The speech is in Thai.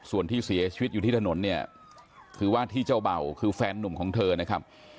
ส่วนที่เสียชีวิตอยู่ที่ถนนเนี่ยคือว่าที่เจ้าเบ่าคือแฟนนุ่มของเธอนะครับ